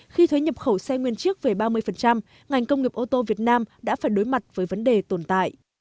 khi thuế nhập khẩu xe nguyên chiếc về ba mươi ngành công nghiệp ô tô việt nam đã phải đối mặt với vấn đề tồn tại